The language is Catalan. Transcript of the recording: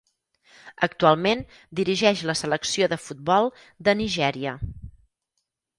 Actualment dirigeix la selecció de futbol de Nigèria.